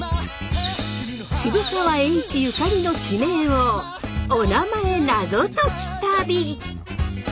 渋沢栄一ゆかりの地名をおなまえナゾ解き旅。